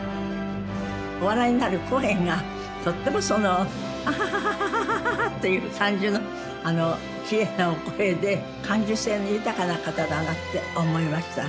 お笑いになる声がとってもその「アハハハ」っていう感じのきれいなお声で感受性の豊かな方だなって思いました。